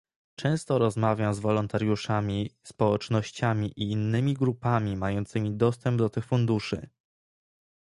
Często rozmawiam z wolontariuszami, społecznościami i innymi grupami mającymi dostęp do tych funduszy